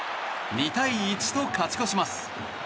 ２対１と勝ち越します。